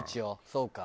そうか。